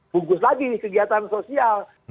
bungkus lagi kegiatan sosial